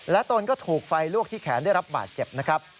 ตนก็ถูกไฟลวกที่แขนได้รับบาดเจ็บนะครับ